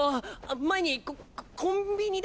前にコココンビニで。